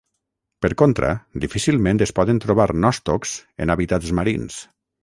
Per contra, difícilment es poden trobar nòstocs en hàbitats marins.